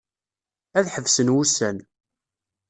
Ad ḥebsen wussan.